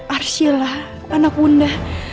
arsila anak bunda